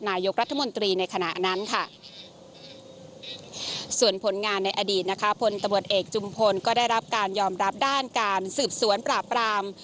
นายกรัฐมนตรีในขณะนั้นค่ะส่วนผลงานในอดีตนะคะพลตำรวจเอกจุมพลก็ได้รับการยอมรับด้านการสืบสวนปราบราม